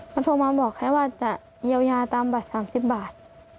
เขาโทรมาบอกแค่ว่าจะเยียวยาตามบัตร๓๐บาท